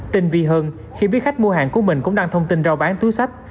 tinh vi hơn khi biết khách mua hàng của mình cũng đăng thông tin rao bán túi sách